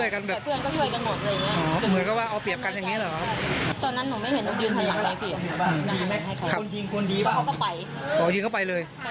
เขาก็ไป